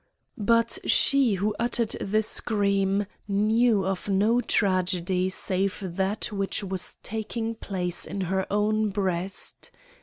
"But she who uttered the scream knew of no tragedy save that which was taking place in her own breast.